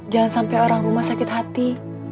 jangan sampai orang rumah sakit hati